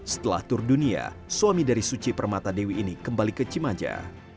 setelah tur dunia suami dari suci permata dewi ini kembali ke cimaja